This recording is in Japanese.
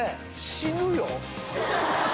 死ぬよ！